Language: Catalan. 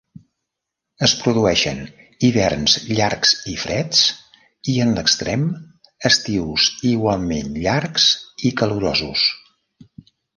Es produeixen hiverns llargs i freds i, en l'extrem, estius igualment llargs i calorosos.